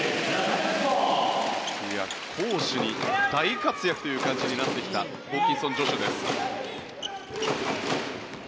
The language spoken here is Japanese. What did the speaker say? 攻守に大活躍という感じになってきたホーキンソン・ジョシュです。